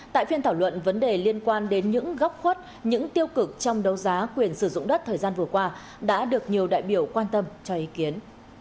tại phiên thảo luận vấn đề liên quan đến những góc khuất những tiêu cực trong đấu giá quyền sử dụng đất thời gian vừa qua đã được nhiều đại biểu quan tâm cho ý kiến